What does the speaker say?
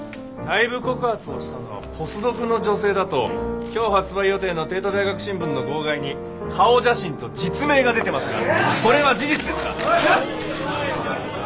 内部告発をしたのはポスドクの女性だと今日発売予定の帝都大学新聞の号外に顔写真と実名が出てますがこれは事実ですか？